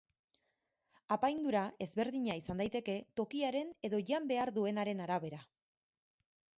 Apaindura, ezberdina izan daiteke, tokiaren edo jan behar duenaren arabera.